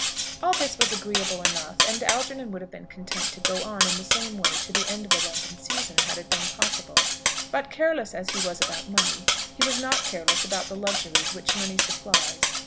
All this was agreeable enough, and Algernon would have been content to go on in the same way to the end of the London season had it been possible. But careless as he was about money, he was not careless about the luxuries which money supplies.